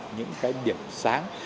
những cái điểm sáng